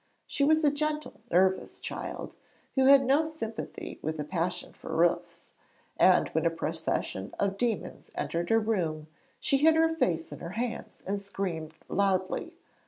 She was a gentle, nervous child, who had no sympathy with a passion for roofs, and when a procession of demons entered her room she hid her face in her hands and screamed loudly.